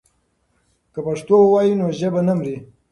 که پښتو ووایو نو ژبه نه مري.